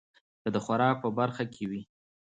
که د خوراک په برخه کې وي